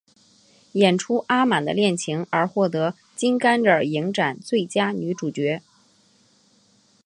演出阿满的恋情而获得金甘蔗影展最佳女主角。